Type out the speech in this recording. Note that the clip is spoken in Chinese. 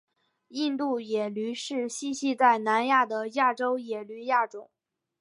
印度野驴是栖息在南亚的亚洲野驴亚种。